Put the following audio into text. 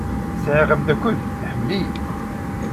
Sɛiɣ ameddakel iḥemmel-iyi.